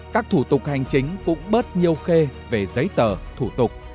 các thủ tục hành chính cũng bớt nhiều khê về giấy tờ thủ tục